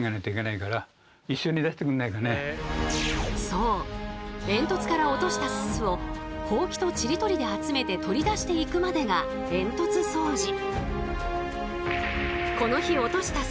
そう煙突から落としたススをホウキとちり取りで集めて取り出していくまでが煙突掃除。